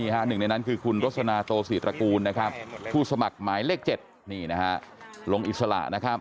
หนึ่งในนั้นคือคุณรสนาโตศิตระกูลผู้สมัครหมายเลข๗นี่นะฮะลงอิสระ